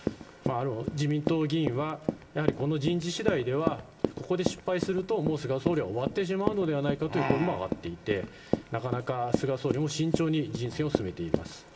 自民党議員は、やはりこの人事しだいでは、ここで失敗すると、もう菅総理は終わってしまうのではないかという声も上がっていて、なかなか菅総理も慎重に人選を進めています。